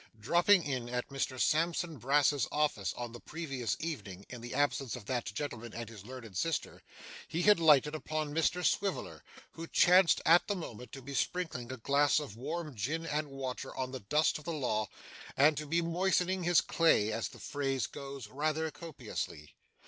Dropping in at Mr Sampson Brass's office on the previous evening, in the absence of that gentleman and his learned sister, he had lighted upon Mr Swiveller, who chanced at the moment to be sprinkling a glass of warm gin and water on the dust of the law, and to be moistening his clay, as the phrase goes, rather copiously.